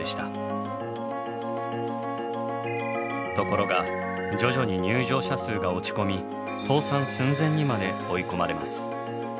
ところが徐々に入場者数が落ち込み倒産寸前にまで追い込まれます。